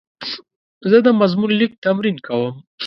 زه د مضمون لیک تمرین کوم.